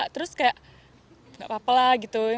terus kayak gak apa apa lah gitu